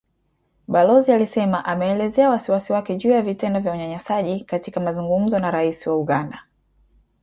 Balozi alisema ameelezea wasiwasi wake juu ya vitendo vya unyanyasaji, katika mazungumzo na Raisi wa Uganda.